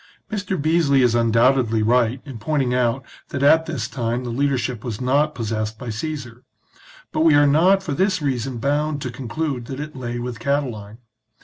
Mr. Beesly is undoubtedly right in pointing out that at this time the leadership was not possessed by Caesar ; but we are not for this reason bound to conclude that it lay with Catiline.